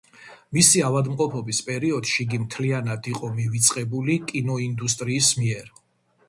მისი ავადმყოფობის პერიოდში იგი მთლიანად იყო მივიწყებული კინოინდუსტრიის მიერ.